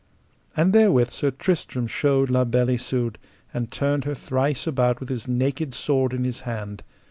And therewith Sir Tristram showed La Beale Isoud, and turned her thrice about with his naked sword in his hand.